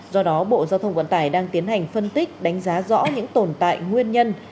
do đó bộ giao thông vận tải đang tiến hành phân tích đánh giá rõ những tồn tại nguyên nhân